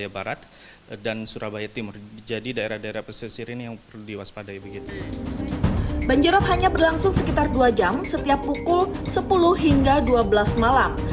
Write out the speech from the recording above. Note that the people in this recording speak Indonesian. banjirop hanya berlangsung sekitar dua jam setiap pukul sepuluh hingga dua belas malam